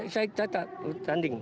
saya tak tanding